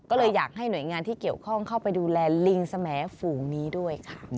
ก็เลยอยากให้หน่วยงานที่เกี่ยวข้องเข้าไปดูแลลิงสมฝูงนี้ด้วยค่ะ